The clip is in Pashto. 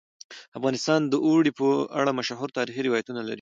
افغانستان د اوړي په اړه مشهور تاریخی روایتونه لري.